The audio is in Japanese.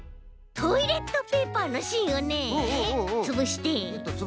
トイレットペーパーのしんをねつぶして。